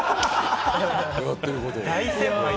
やってること。